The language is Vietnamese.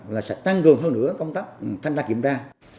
là sẽ tăng gần hơn nữa công tác tham gia kiểm tra